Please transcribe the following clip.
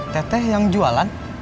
teteh yang jualan